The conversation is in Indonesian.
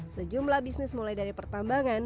sejumlah bisnis mulai dari pertambangan